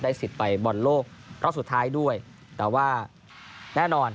สิทธิ์ไปบอลโลกรอบสุดท้ายด้วยแต่ว่าแน่นอน